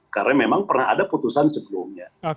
karena memang pernah ada putusan sebelumnya